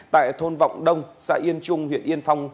tại thôn vọng đông xã yên trung huyện yên phong